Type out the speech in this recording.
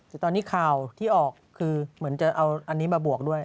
แต่ตอนนี้ข่าวที่ออกคือเหมือนจะเอาอันนี้มาบวกด้วย